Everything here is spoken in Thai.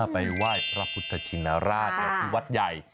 ไปไหว้พระพุทธชินราชที่วัดใหญ่